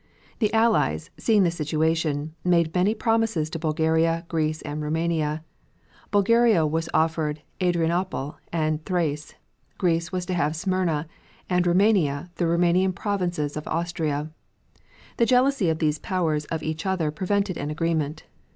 The Allies, seeing the situation, made many promises to Bulgaria, Greece and Roumania. Bulgaria was offered Adrianople and Thrace; Greece was to have Smyrna, and Roumania the Roumanian provinces in Austria. The jealousy of these powers of each other prevented an agreement.